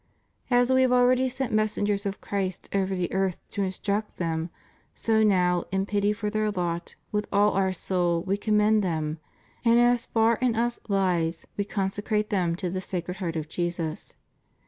As We have already sent messengers of Christ over the earth to instruct them^ so now, in pity for their lot, with all Our soul We commend them, and as far in Us lies We consecrate them to the Sacred Heart of Jesus.